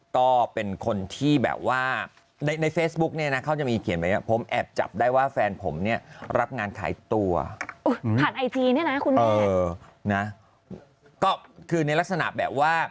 ก็เป็นคนที่แบบว่าในเฟซบุ๊คนี้นะเขาจะมีเขียนไปว่า